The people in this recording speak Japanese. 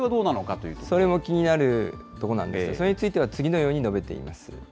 それも気になるところなんですけど、それについては、次のように述べています。